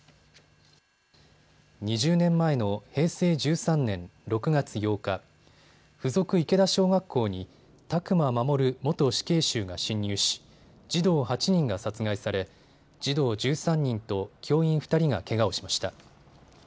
２０年前の平成１３年６月８日、附属池田小学校に宅間守元死刑囚が侵入し児童８人が殺害され児童１３人と教員２人がけがをしました。